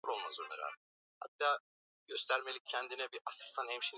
Wana Umma Party walimnyima Karume usingizi